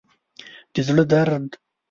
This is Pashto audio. د زړه درد